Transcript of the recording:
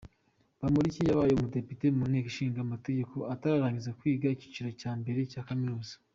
Bamporiki yabaye umudepite mu Nteko Ishinga Amategeko atararangiza kwiga icyiciro cya mbere cya kaminuza.